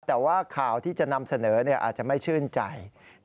แต่ว่าข่าวที่จะนำเสนออาจจะไม่ชื่นใจ